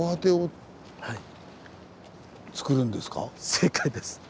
正解です！